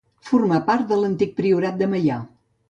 Formà part de l'antic Priorat de Meià.